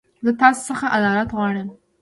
زه تاسو خڅه عدالت غواړم.